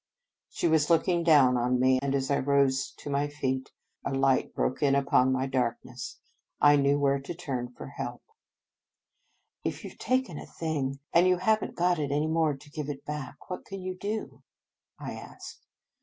She was looking down on me, and, as I rose to my feet, a light broke in upon my darkness. I knew where to turn for help. " If you ve taken a thing, and you have n t got it any more to give it back, what can you do?" I asked.